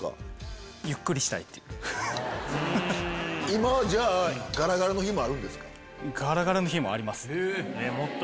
今はじゃあガラガラの日もあるんですか？